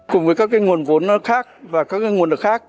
cùng với các cái nguồn vốn khác và các cái nguồn lực khác